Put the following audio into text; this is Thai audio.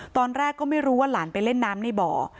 ตอนแรกก็ไม่รู้ว่าหลานไปเล่นน้ำในบ่อ